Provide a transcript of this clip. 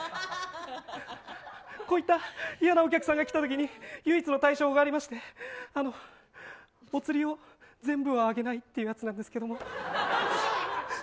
こういった嫌なお客さんが来たときに唯一の対処法がありましてお釣りを全部はあげないっていうやつなんですけど。